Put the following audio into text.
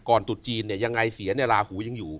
ก่อนจุดจีนยังไงเสียและลาหู่ยังอยู่